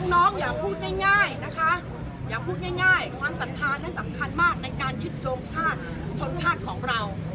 น้องอย่าพูดง่ายนะคะอย่าพูดง่ายความศรัทธาท่านสำคัญมากในการยึดโยงชาติชนชาติของเรา